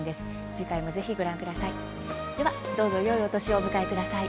次回もぜひご覧ください。